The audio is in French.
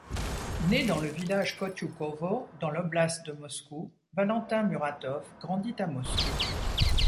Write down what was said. Né dans le village Kotiukovo dans l'oblast de Moscou, Valentin Muratov grandit à Moscou.